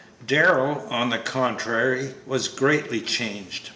Darrell, on the contrary, was greatly changed.